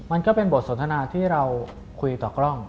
มันก็เป็นบทสนทนาที่เราคุยต่อกล้อง